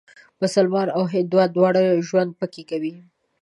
مسلمانان او هندوان دواړه ژوند پکې کوي.